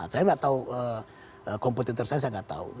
saya tidak tahu kompetitor saya saya tidak tahu